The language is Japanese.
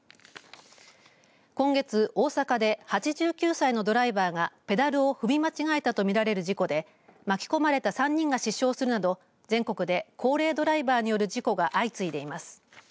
今月大阪で８９歳のドライバーがペダルを踏み間違えたとみられる事故で巻き込まれた３人が死傷するなど全国で高齢ドライバーによる事故が相次いでいます。